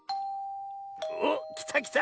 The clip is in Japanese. おっきたきた！